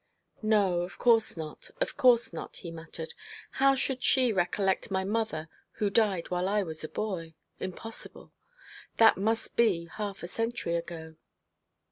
'No, of course not, of course not,' he muttered; 'how should she recollect my mother, who died while I was a boy? Impossible. That must be half a century ago.'